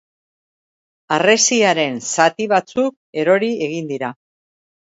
Harresiaren zati batzuk erori egin dira.